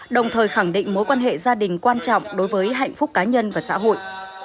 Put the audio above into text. đồng thời khẳng định mối quan hệ gia đình quan trọng đối với hạnh phúc cá nhân và xã hội